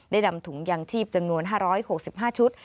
นำถุงยางชีพจำนวน๕๖๕ชุด